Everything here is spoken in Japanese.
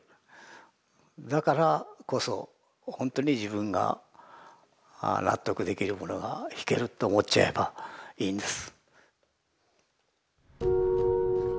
だからこそほんとに自分が納得できるものが弾けると思っちゃえばいいんです。